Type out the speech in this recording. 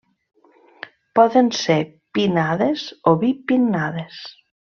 Poden ser pinnades o bipinnades.